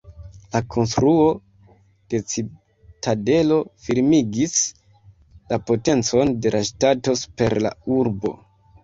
La konstruo de citadelo firmigis la potencon de la ŝtato super la urbo.